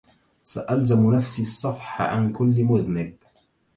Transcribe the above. سألزم نفسي الصفح عن كل مذنب